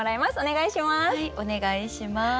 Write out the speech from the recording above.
はいお願いします。